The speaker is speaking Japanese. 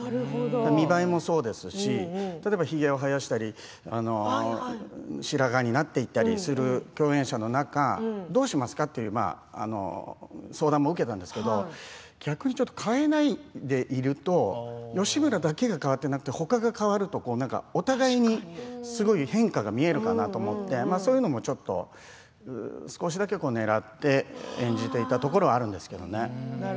見栄えもそうですしひげを生やしたり白髪になっていったりする共演者の中、どうしますか、って相談も受けたんですけれど逆に変えないでいると義村だけが変わってなくて他が変わると、お互いにすごい変化が見えるかなと思ってそういうのも、ちょっと少しだけ狙って演じていたところもあるんですけれどね。